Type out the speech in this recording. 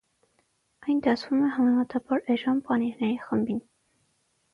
Այն դասվում է համեմատաբար էժան պանիրների խմբին։